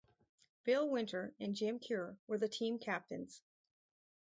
Bill Winter and Jim Cure were the team captains.